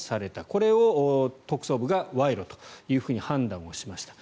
これを特捜部が賄賂と判断をしました。